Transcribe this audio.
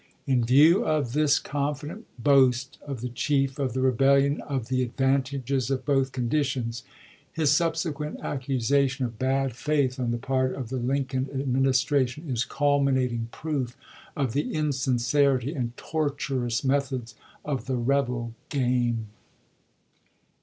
In view of 414 ABRAHAM LINCOLN ch. xxiv. this confident boast of the chief of the rebellion of "the advantages of both conditions," his subse quent accusation of bad faith on the part of the Lincoln Administration is culminating proof of the insincerity and tortuous methods of the rebel game.